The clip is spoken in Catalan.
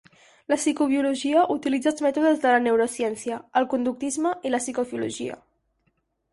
La psicobiologia utilitza els mètodes de la neurociència, el conductisme i la psicofisiologia.